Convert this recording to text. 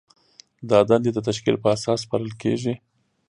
دا دندې د تشکیل په اساس سپارل کیږي.